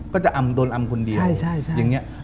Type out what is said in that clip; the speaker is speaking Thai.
ก็จะอำโดนอำคนเดียว